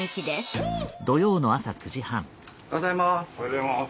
おはようございます。